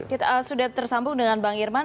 kita sudah tersambung dengan bang irman